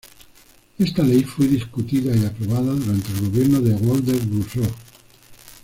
Esta ley fue discutida y aprobada durante el gobierno de Waldeck-Rousseau.